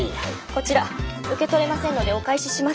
こちら受け取れませんのでお返しします。